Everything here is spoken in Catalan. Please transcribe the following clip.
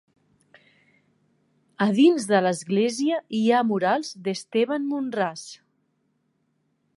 A dins de l'església hi ha murals d'Esteban Munras.